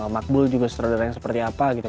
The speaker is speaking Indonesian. makbul juga sutradara yang seperti apa gitu